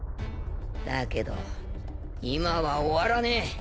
だけど今は終わらねえ。